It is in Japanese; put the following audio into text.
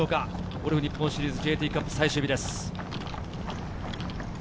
ゴルフ日本シリーズＪＴカップ最終日です。